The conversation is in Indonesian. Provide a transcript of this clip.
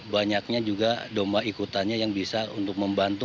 banyaknya juga domba ikutannya yang bisa untuk membantu